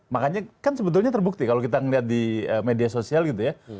makanya kan sebetulnya terbukti kalau kita melihat di media sosial gitu ya